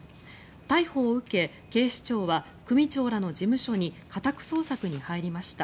逮捕を受け、警視庁は組長らの事務所に家宅捜索に入りました。